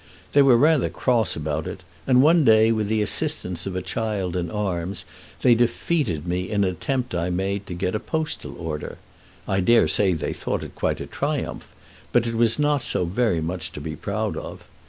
They were rather cross about it, and one day, with the assistance of a child in arms, they defeated me in an attempt I made to get a postal order. I dare say they thought it quite a triumph; but it was not so very much to be proud of.